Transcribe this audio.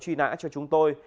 lệnh truy nã cho chúng tôi